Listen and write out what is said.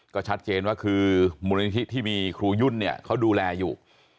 ก็ชัดเจนว่าคือมูลนิธิที่มีครูยุ่นเนี่ยเขาดูแลอยู่